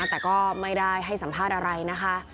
แต่ก็ไม่ได้ให้สัมภาษณ์อะไรนะคะ